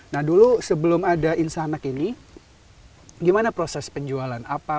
nah dulu sebelum ada insanak ini gimana proses penjualan